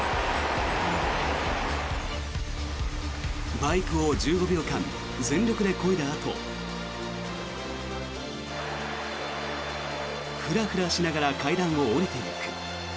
バイクを１５秒間全力でこいだあとフラフラしながら階段を下りていく。